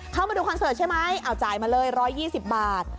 มาดูคอนเสิร์ตใช่ไหมเอาจ่ายมาเลย๑๒๐บาท